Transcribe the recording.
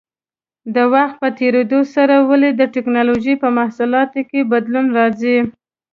د وخت په تېرېدو سره ولې د ټېکنالوجۍ په محصولاتو کې بدلون راځي؟